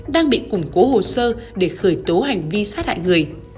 đang bị củng cố hồ sơ để khởi tố hành vi sát hại người